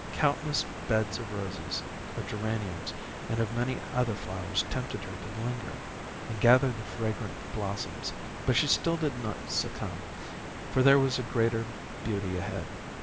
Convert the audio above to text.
Countless beds of roses, of geraniums, and of many other flowers tempted her to linger, and gather the fragrant blossoms, but, still she did not succumb, for there was greater beauty ahead.